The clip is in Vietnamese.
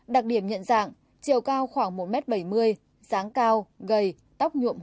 đặc điểm nhận dạng chiều cao khoảng một m bảy mươi dáng cao gầy tóc nhuộm hôn